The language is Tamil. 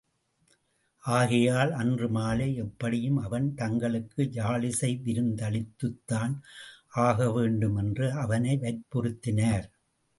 ஆகையால் அன்று மாலை எப்படியும் அவன் தங்களுக்கு யாழிசை விருந்து அளித்துத்தான் ஆகவேண்டும் என்று அவனை வற்புறுத்தினார்.